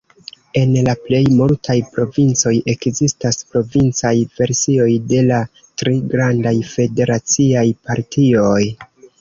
En la plej multaj provincoj ekzistas provincaj versioj de la tri grandaj federaciaj partioj.